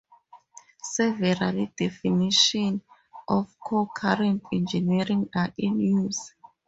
Several definitions of concurrent engineering are in use.